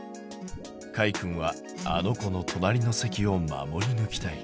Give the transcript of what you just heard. かいくんはあの子の隣の席を守りぬきたい。